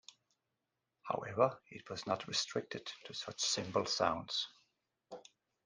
However, it was not restricted to such simple sounds.